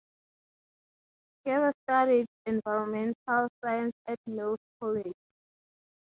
Gerber studied environmental science at Mills College.